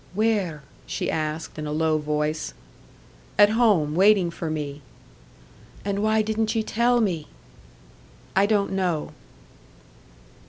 "Where?" she asked, in a low voice. "At home, waiting for me." "And why didn't ye tell me?" "I don't know."